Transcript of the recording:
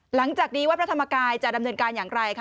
หลังจากนี้วัดพระธรรมกายจะดำเนินการอย่างไรคะ